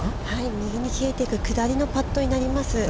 ◆右に切れてく下りのパットになります。